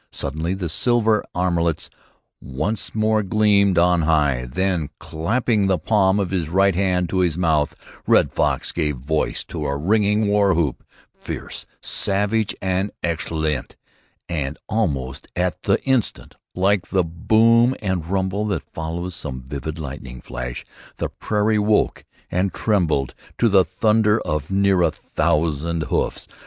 Suddenly the silver armlets once more gleamed on high. Then, clapping the palm of his right hand to his mouth, Red Fox gave voice to a ringing war whoop, fierce, savage and exultant, and, almost at the instant, like the boom and rumble that follows some vivid lightning flash, the prairie woke and trembled to the thunder of near a thousand hoofs.